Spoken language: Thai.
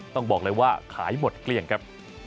ต้องบอกเลยว่าขายหมดเกลี้ยงครับ